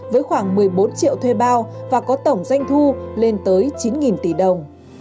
với khoảng một mươi bốn triệu thuê bao và có tổng doanh thu lên tới chín tỷ đồng